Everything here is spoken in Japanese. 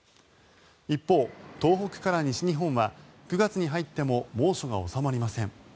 一方、東北から西日本は９月に入っても猛暑が収まりません。